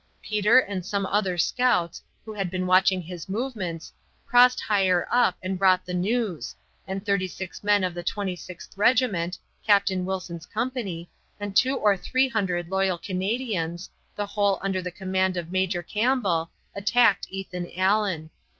Peter and some other scouts, who had been watching his movements, crossed higher up and brought the news, and 36 men of the Twenty sixth Regiment, Captain Wilson's company, and 200 or 300 loyal Canadians, the whole under the command of Major Campbell, attacked Ethan Allen.